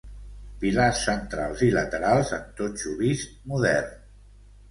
Pilars centrals i laterals en totxo vist modern.